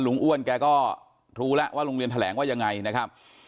อ้วนแกก็รู้แล้วว่าโรงเรียนแถลงว่ายังไงนะครับ